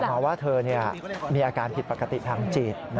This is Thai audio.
คือมีข่าวมาว่าเธอมีอาการผิดปกติทางจิต